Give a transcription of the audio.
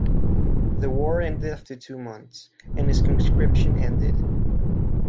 The war ended after two months and his conscription ended.